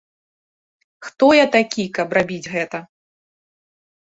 Хто я такі, каб рабіць гэта?